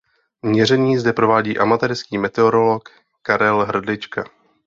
Měření zde provádí amatérský meteorolog Karel Hrdlička.